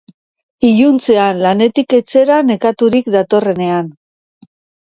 Iluntzean lanetik etxera nekaturik datorrenean.